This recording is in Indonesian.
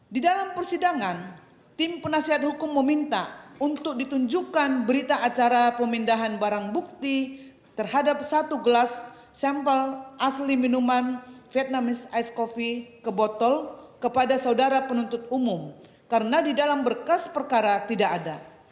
di dalam persidangan tim penasihat hukum meminta untuk ditunjukkan berita acara pemindahan barang bukti terhadap satu gelas sampel asli minuman vietnamese ice coffee ke botol kepada saudara penuntut umum karena di dalam berkas perkara tidak ada